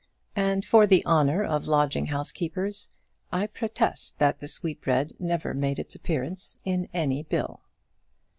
And, for the honour of lodging house keepers, I protest that that sweetbread never made its appearance in any bill.